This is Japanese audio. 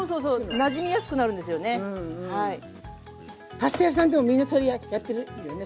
パスタ屋さんでもみんなそれやってるよね